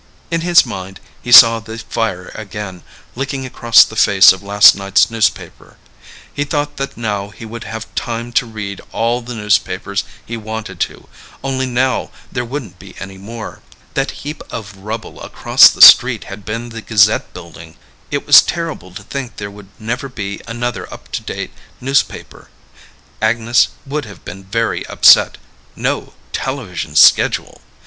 In his mind, he saw the fire again, licking across the face of last night's newspaper. He thought that now he would have time to read all the newspapers he wanted to, only now there wouldn't be any more. That heap of rubble across the street had been the Gazette Building. It was terrible to think there would never be another up to date newspaper. Agnes would have been very upset, no television schedule.